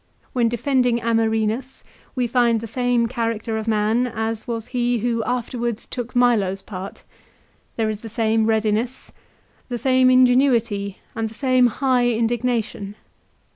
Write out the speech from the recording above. When defending Amerinus, we find the same character of man as was he who afterwards took Milo's part. There is the same readiness, the same ingenuity, and the same high indignation.